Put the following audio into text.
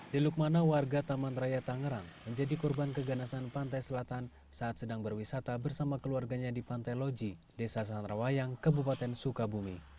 di lukmana warga taman raya tangerang menjadi korban keganasan pantai selatan saat sedang berwisata bersama keluarganya di pantai loji desa sarawayang kabupaten sukabumi